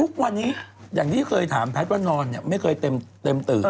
ทุกวันนี้อย่างที่เคยถามแพทย์ว่านอนเนี่ยไม่เคยเต็มตื่น